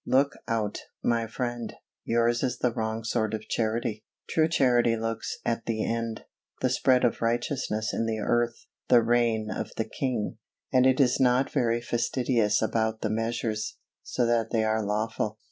Look out, my friend, yours is the wrong sort of Charity. True Charity looks at the end the spread of righteousness in the earth the reign of the King and it is not very fastidious about the measures, so that they are lawful.